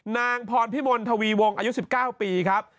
นางพรพิมลทวีวงอายุ๑๙ปีครับ